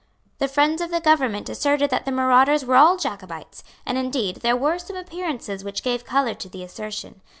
The friends of the government asserted that the marauders were all Jacobites; and indeed there were some appearances which gave colour to the assertion.